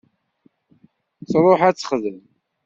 Truḥ ad texdem.